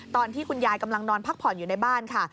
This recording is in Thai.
ตอนที่คุณยายกำลังนอนพักผ่อนอยู่ในบ้านค่ะ